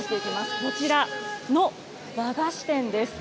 こちらの和菓子店です。